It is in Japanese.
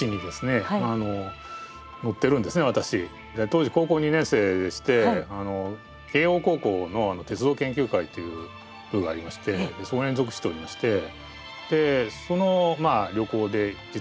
当時高校２年生でして慶應高校の鉄道研究会という部がありましてそこに属しておりましてその旅行で実は行ったんですね。